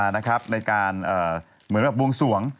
ในการเหมือนแบบบวงสวง